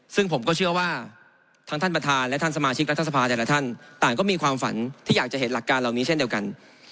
ซึ่งผมก็เชื่อว่าทั้งท่านประธานและท่านสมาชิกรัฐสภาแต่ละท่านต่างก็มีความฝันที่อยากจะเห็นหลักการเหล่านี้เช่นเดียวกัน